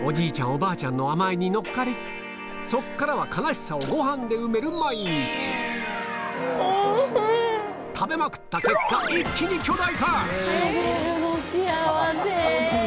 おばあちゃんの甘えに乗っかりそっからは悲しさをごはんで埋める毎日食べまくった結果一気に巨大化食べるの幸せ。